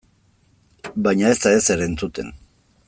Baina ez da ezer entzuten.